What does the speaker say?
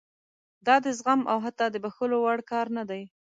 دا د زغم او حتی د بښلو وړ کار نه دی.